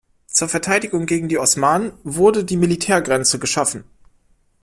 Zur Verteidigung gegen die Osmanen wurde die Militärgrenze geschaffen.